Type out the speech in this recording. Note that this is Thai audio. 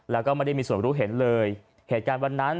แล้วก็ไม่ได้มีส่วนรู้เห็นเลยเหตุการณ์วันนั้น